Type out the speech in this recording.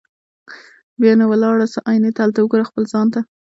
بیا نو ولاړ سه آیینې ته هلته وګوره خپل ځان ته